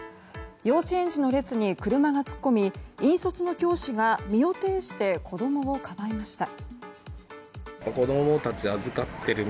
幼稚園児の列に車が突っ込み引率の教師が身を挺して子供をかばいました。